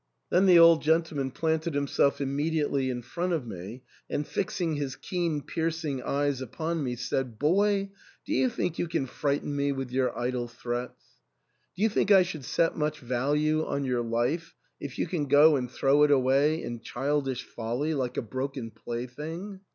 Then the old gentleman planted himself immediately in front of me, and fixing his keen piercing eyes upon me said, " Boy, do you think you can frighten me with your idle threats ? Do you think I should set much value on your life if you can go and throw it away in childish folly like a broken plaything